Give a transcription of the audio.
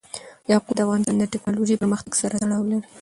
یاقوت د افغانستان د تکنالوژۍ پرمختګ سره تړاو لري.